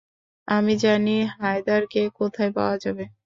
আমি জানি হায়দারকে কোথায় পাওয়া যাবে।